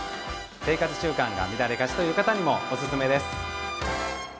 生活習慣が乱れがちという方にもおすすめです。